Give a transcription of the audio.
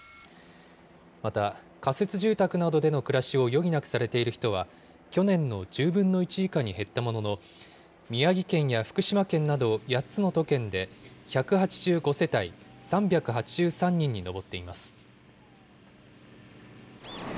また、仮設住宅などでの暮らしを余儀なくされている人は、去年の１０分の１以下に減ったものの、宮城県や福島県など８つの都県で、１８５世帯３８３人に上っています。